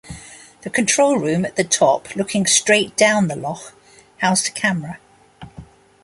The control room at the top looking straight down the loch housed a camera.